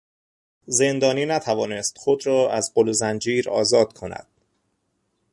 زندانی نتوانست خود را از غل و زنجیر آزاد کند.